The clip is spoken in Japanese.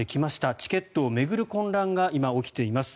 チケットを巡る混乱が今、起きています。